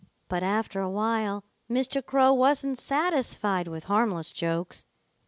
"But after a while Mr. Crow wasn't satisfied with harmless jokes.